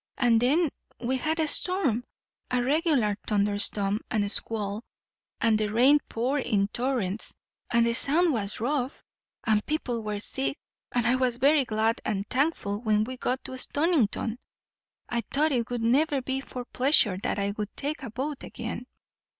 and then we had a storm, a regular thunderstorm and squall, and the rain poured in torrents, and the Sound was rough, and people were sick, and I was very glad and thankful when we got to Stonington. I thought it would never be for pleasure that I would take a boat again."